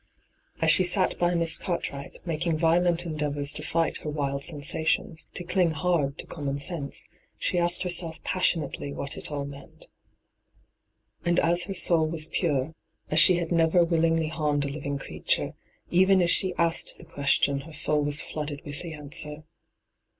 As she sat by Miss Cartwright, making violent endeavours to fight her wild sensations, to cling hard to common sense, she asked herself passionately what it all meant. And as her soul was pure, as she had never willingly harmed a living creature, even as she asked the question her soul was flooded with the answer.